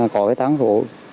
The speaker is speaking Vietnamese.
có tăng phổ